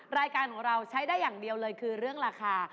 รายการของเราใช้ได้อย่างเดียวเลยคือเรื่องราคา